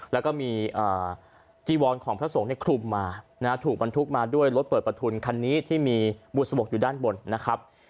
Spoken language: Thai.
แล้วก็มีจีวรของพระสงฆ์ในคลุมมาถูกบรรทุกมาด้วยรถเปิดประทุนคันนี้ที่มีบุษบกอยู่ด้านบนนะครับ